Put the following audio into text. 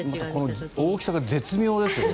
大きさが絶妙ですよね。